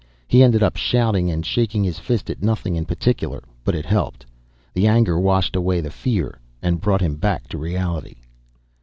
He ended up shouting and shaking his fist at nothing in particular, but it helped. The anger washed away the fear and brought him back to reality.